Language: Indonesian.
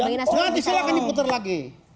nanti silahkan diputar lagi